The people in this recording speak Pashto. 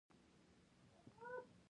د ظلم او کافر قوم تر ډبره یې لاس لاندې دی.